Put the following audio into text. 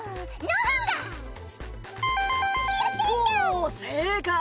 おぉ正解！